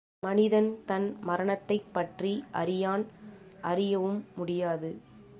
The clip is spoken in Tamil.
மனிதன் தன் மரணத்தைப் பற்றி அறியான் அறியவும் முடியாது.